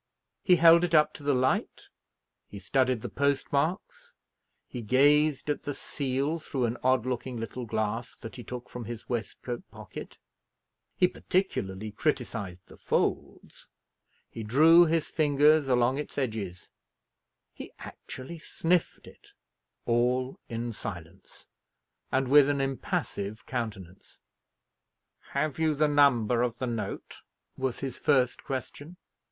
He held it up to the light, he studied the postmarks, he gazed at the seal through an odd looking little glass that he took from his waistcoat pocket, he particularly criticised the folds, he drew his fingers along its edges, he actually sniffed it all in silence, and with an impassive countenance. "Have you the number of the note?" was his first question.